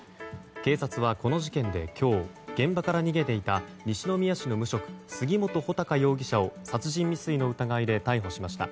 警察はこの事件で今日、現場から逃げていた西宮市の無職、杉本武尊容疑者を殺人未遂の疑いで逮捕しました。